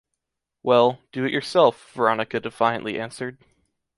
Well, do it yourself,” Veronica defiantly answered.